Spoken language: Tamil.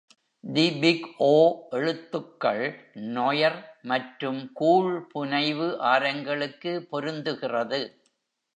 "தி பிக் ஓ" எழுத்துக்கள்,"நொயர்" மற்றும் கூழ் புனைவு ஆரங்களுக்கு பொருந்துகிறது.